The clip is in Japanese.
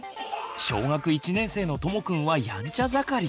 小学１年生のともくんはやんちゃ盛り。